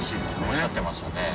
おっしゃってましたね